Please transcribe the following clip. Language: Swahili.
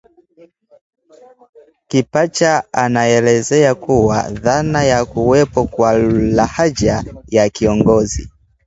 Kipacha anaelezea kuwa dhana ya kuwepo kwa lahaja ya Kingozi